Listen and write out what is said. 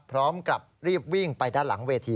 พร้อมกับรีบวิ่งไปด้านหลังเวที